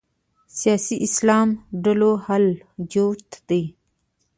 سیاسي اسلام ډلو حال جوت دی